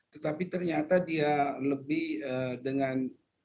tetapi ternyata dia lebih dengan